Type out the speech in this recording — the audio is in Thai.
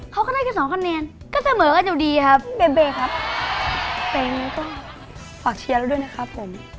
น่าจะดีครับเบเบครับแต่อย่างนี้ก็ฝากเชียร์แล้วด้วยนะครับผม